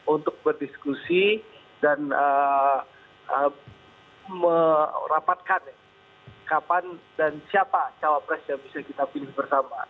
untuk berdiskusi dan merapatkan kapan dan siapa cawapres yang bisa kita pilih bersama